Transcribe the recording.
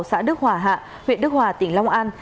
xã đức hòa hạ huyện đức hòa tỉnh long an